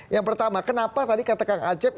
yang pertama kenapa tadi kata kak acap